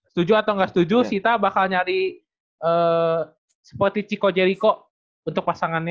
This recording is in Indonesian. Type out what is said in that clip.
setuju atau nggak setuju sita bakal nyari spoty chico jeriko untuk pasangannya